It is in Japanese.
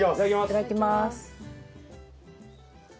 いただきます。